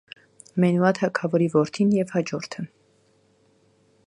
Մենուա թագավորի որդին և հաջորդը։